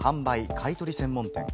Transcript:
買い取り専門店。